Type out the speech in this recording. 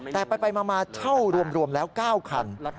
แต่ไปมาเช่ารวมแล้ว๙คัน